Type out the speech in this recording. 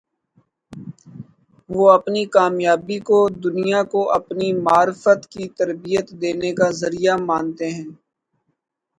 وہ اپنی کامیابی کو دنیا کو اپنی معرفت کی تربیت دینے کا ذریعہ مانتے ہیں۔